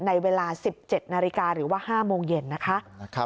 ในเวลา๑๗นาฬิกาหรือว่า๕โมงเย็นนะคะ